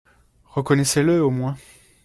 Reconnaissez-le au moins